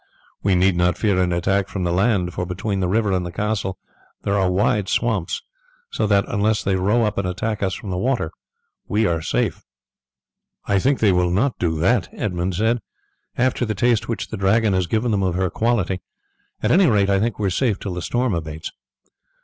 We need not fear an attack from the land, for between the river and the castle there are wide swamps; so that unless they row up and attack us from the water we are safe." "I think that they will not do that," Edmund said, "after the taste which the Dragon has given them of her quality. At any rate I think we are safe till the storm abates."